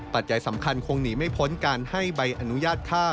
จัยสำคัญคงหนีไม่พ้นการให้ใบอนุญาตฆ่า